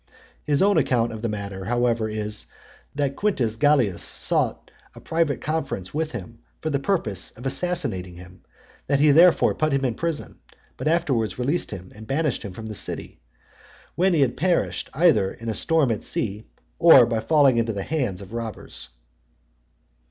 His own account of the matter, however, is, that Quintus Gallius sought a private conference with him, for the purpose of assassinating him; that he therefore put him in prison, but afterwards released him, and banished him the city; when he perished either in a storm at sea, or by falling into the hands of robbers.